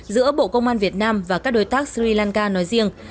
giữa bộ công an việt nam và các đối tác sri lanka nói riêng